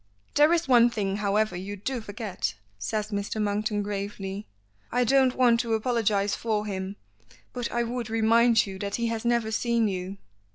"There is one thing, however, you do forget," says Mr. Monkton gravely. "I don't want to apologize for him, but I would remind you that he has never seen you."